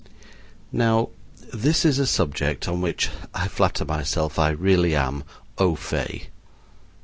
Now, this is a subject on which I flatter myself I really am au fait.